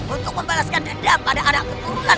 untuk membalaskan dedam pada anak keturunan